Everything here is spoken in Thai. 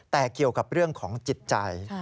แต่เกี่ยวกับเรื่องของจิตใจ